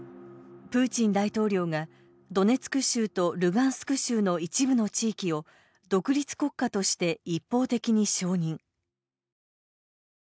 プーチン大統領がドネツク州とルガンスク州の一部の地域を独立国家として一方的に承認。